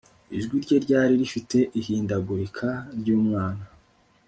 Ijwi rye ryari rifite ihindagurika ryumwana